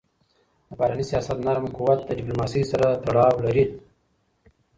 د بهرني سیاست نرم قوت له ډیپلوماسی سره تړاو لري.